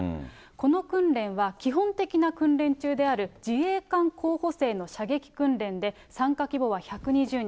この訓練は基本的な訓練中である自衛官候補生の射撃訓練で、参加規模は１２０人。